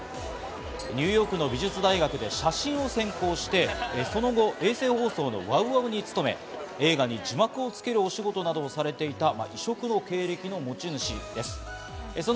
ニューヨークの美術大学で写真を専攻してその後、衛星放送のＷＯＷＯＷに勤め、映画に字幕をつけるお仕事などをされていた異色の経歴の持ち主です。